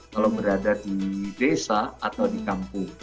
kalau berada di desa atau di kampung